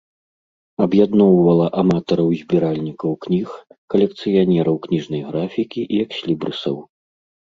Аб'ядноўвала аматараў і збіральнікаў кніг, калекцыянераў кніжнай графікі і экслібрысаў.